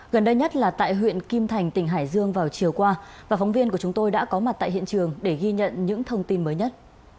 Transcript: gần đây nhất là tại huyện kim thành tỉnh hải dương vào chiều qua và phóng viên của chúng tôi đã có mặt tại hiện trường để ghi nhận những thông tin mới nhất